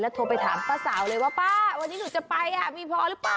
โทรไปถามป้าสาวเลยว่าป้าวันนี้หนูจะไปมีพอหรือเปล่า